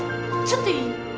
ちょっといい？